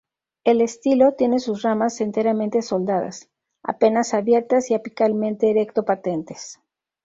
El estilo, tiene sus ramas enteramente soldadas, apenas abiertas y apicalmente erecto-patentes.